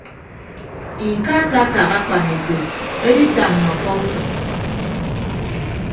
Ikakkakak akpan ekpo editamma ọkọ usʌñ.